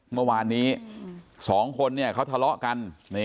เมื่อวานนี้๒คนเขาทะเลาะกัน